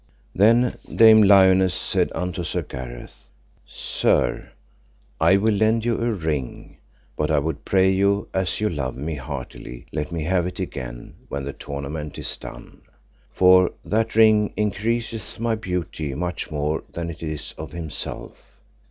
Then Dame Lionesse said unto Sir Gareth: Sir, I will lend you a ring, but I would pray you as you love me heartily let me have it again when the tournament is done, for that ring increaseth my beauty much more than it is of himself.